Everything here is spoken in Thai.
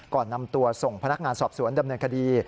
ก่อนนำตัวส่งพนักงานสอบสวนดำเนินคดี